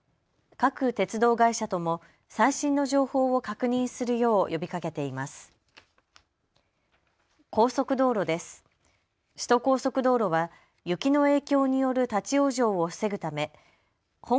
各鉄道会社とも最新の情報を確認するよう呼びかけています。